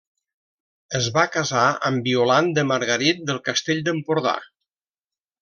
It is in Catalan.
Es va casar amb Violant de Margarit del Castell d'Empordà.